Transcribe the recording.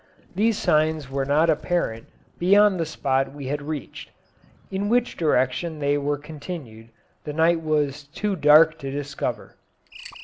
These signs were not apparent beyond the spot we had reached. In which direction they were continued, the night was too dark to discover.